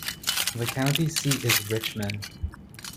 The county seat is Richmond.